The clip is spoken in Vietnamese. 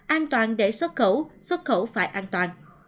an toàn để xuất khẩu xuất khẩu phải an toàn